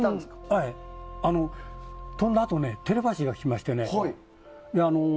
飛んだあとテレパシーが来ましてね。